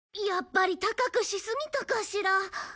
やっぱり高くしすぎたかしら。